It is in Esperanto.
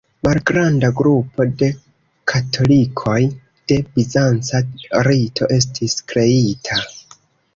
Malgranda grupo de katolikoj de bizanca rito estis kreita.